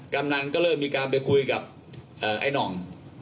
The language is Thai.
กำนันก็เริ่มมีการไปคุยกับไอ้หน่อง